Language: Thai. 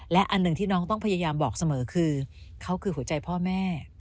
และอันหนึ่งที่น้องต้องพยายามบอกเสมอคือเขาคือหัวใจพ่อแม่